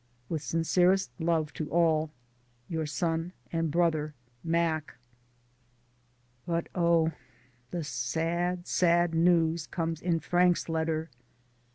With sincerest love to all, Your son and brother, Mac. But oh, the sad, sad news comes in Frank's letter.